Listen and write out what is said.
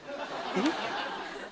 えっ？